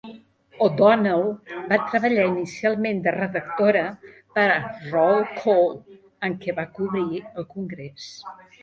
O'Donnell va treballar inicialment de redactora per a "Roll Call", en què va cobrir el Congrés.